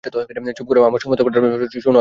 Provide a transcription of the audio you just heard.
চুপ করো, আমার সমস্ত কথাটা শোনো আগে।